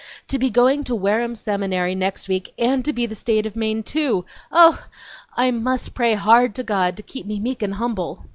To be going to Wareham Seminary next week and to be the State of Maine too! Oh! I must pray HARD to God to keep me meek and humble!"